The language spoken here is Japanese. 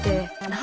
何？